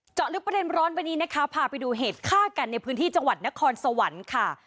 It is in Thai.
ลึกประเด็นร้อนวันนี้นะคะพาไปดูเหตุฆ่ากันในพื้นที่จังหวัดนครสวรรค์ค่ะ